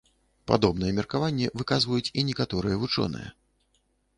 Падобнае меркаванне выказваюць і некаторыя вучоныя.